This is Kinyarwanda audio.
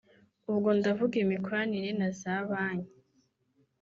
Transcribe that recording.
ubwo ndavuga imikoranire na za banki